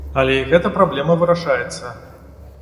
Але і гэта праблема вырашаецца.